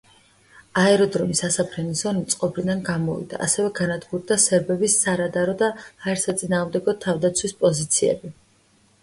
აეროდრომის ასაფრენი ზოლი მწყობრიდან გამოვიდა, ასევე განადგურდა სერბების სარადარო და ჰაერსაწინააღმდეგო თავდაცვის პოზიციები.